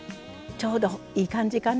ちょうどいい感じかな。